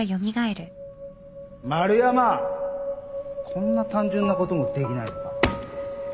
こんな単純なこともできないのか